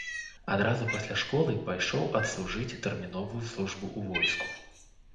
Адразу пасля школы пайшоў адслужыць тэрміновую службу ў войску.